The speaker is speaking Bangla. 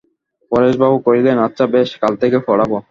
পরেশবাবু কহিলেন, আচ্ছা বেশ, কাল থেকে পড়াব।